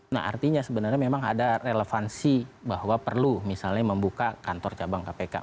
nah artinya sebenarnya memang ada relevansi bahwa perlu misalnya membuka kantor cabang kpk